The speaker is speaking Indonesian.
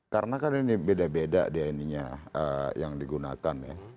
karena kan ini beda beda dni nya yang digunakan ya